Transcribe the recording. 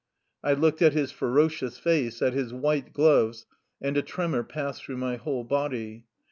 I looked at his ferocious face, at his white gloves, and a tremor passed through my whole body.